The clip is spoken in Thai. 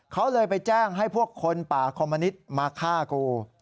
เขาเลยไปแจ้งให้พวกคนป่าคอมมนิตมาฆ่ากู